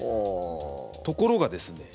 ところがですね